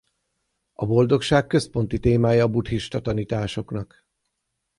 A boldogság központi témája a buddhista tanításoknak.